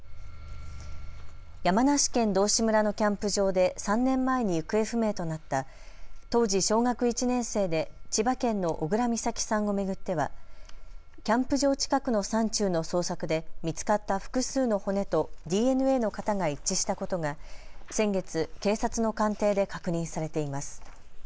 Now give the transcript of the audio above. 山梨県道志村のキャンプ場で３年前に行方不明となった当時、小学１年生で千葉県の小倉美咲さんを巡ってはキャンプ場近くの山中の捜索で見つかった複数の骨とＤＮＡの型が一致したことが先月、警察の鑑定で確認されています。